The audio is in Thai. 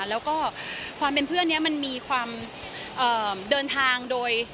แล้วก็ความเป็นเพื่อนนี้มันมีความเดินทางโดย